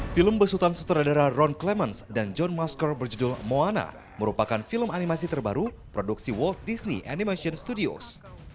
film besutan sutradara ron clements dan john masker berjudul moana merupakan film animasi terbaru produksi world disney animation studios